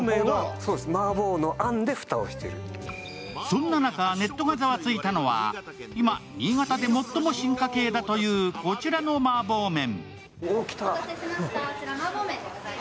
そんな中、ネットがザワついたのは、今、新潟で最も進化系だというこちらのマーボー麺。